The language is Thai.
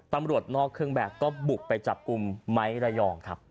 ตำรวจนอกเครื่องแบบก็บุกไปจับกลุ่มไม้ระยองครับ